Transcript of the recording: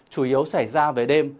chủ yếu xảy ra về đêm